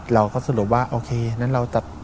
เราก็สรุปว่าโอเคงั้นเราจะ